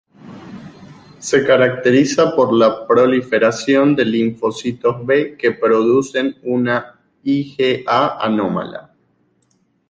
Se caracteriza por la proliferación de linfocitos B que producen una IgA anómala.